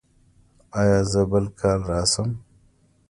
ایا زه بل کال راشم؟